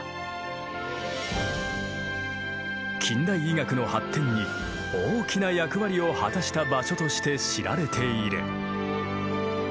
近代医学の発展に大きな役割を果たした場所として知られている。